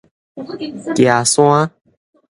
岐山